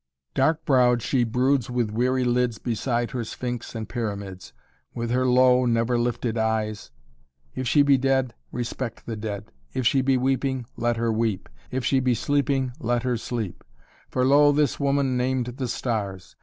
"Dark browed she broods with weary lids Beside her Sphynx and Pyramids, With her low, never lifted eyes. If she be dead, respect the dead; If she be weeping, let her weep; If she be sleeping, let her sleep; For lo, this woman named the stars.